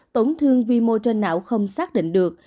tổn thương vi mô trên não không xác định được